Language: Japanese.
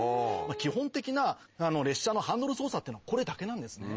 基本的な列車のハンドル操作っていうのはこれだけなんですね。